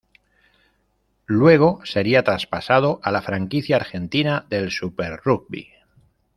Luego sería traspasado a la franquicia argentina del Super Rugby.